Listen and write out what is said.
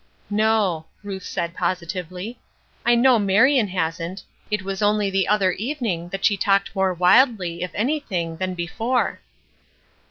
"No," said Ruth, positively, "I know Marion hasn't. It was only the other evening that she talked more wildly if anything than before."